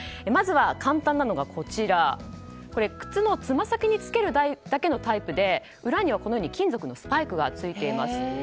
まずは簡単なのが靴のつま先につけるだけのタイプで裏には、金属のスパイクがついています。